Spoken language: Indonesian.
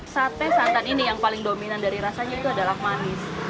sate santan ini yang paling dominan dari rasanya itu adalah manis